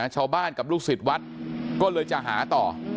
ชาวบ้านกับลูกศิษย์วัดก็เลยจะหาต่อ